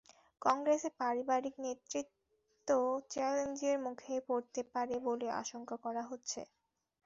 কংগ্রেসের পারিবারিক নেতৃত্ব চ্যালেঞ্জের মুখে পড়তে পারে বলে আশঙ্কা করা হচ্ছে।